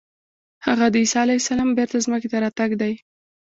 هغه د عیسی علیه السلام بېرته ځمکې ته راتګ دی.